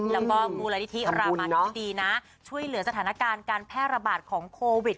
แล้วก็มูลนิธิรามาธิบดีนะช่วยเหลือสถานการณ์การแพร่ระบาดของโควิด